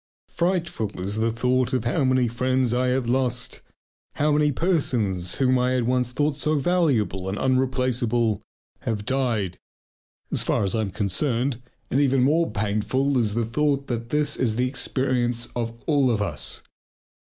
Frightful is the thought how many friends I have lost, how many persons whom I had once thought so valuable and unreplaceable have died as far as I am concerned. And even more painful is the thought that this is the experience of all of us.